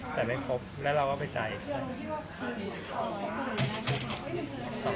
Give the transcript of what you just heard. จ่ายไม่ครบแล้วเราก็ไปจ่ายอีกครั้ง